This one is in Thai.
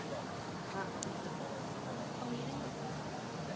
โปรดติดตามต่อไป